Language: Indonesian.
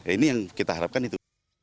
ini yang kita harapkan itu